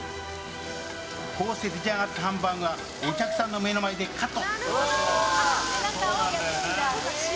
こうして出来上がったハンバーグはお客さんの目の前でカット！